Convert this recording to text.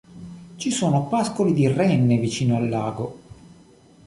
Ci sono pascoli di renne vicino al lago.